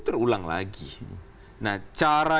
terulang lagi nah cara